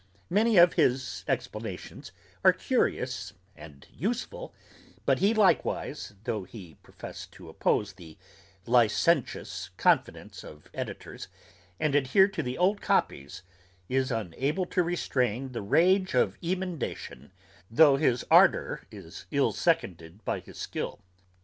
Many of his explanations are curious and useful, but he likewise, though he professed to oppose the licentious confidence of editors, and adhere to the old copies, is unable to restrain the rage of emendation, though his ardour is ill seconded by his skill.